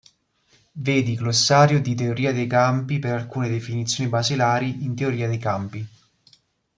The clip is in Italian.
Vedi Glossario di teoria dei campi per alcune definizioni basilari in teoria dei campi.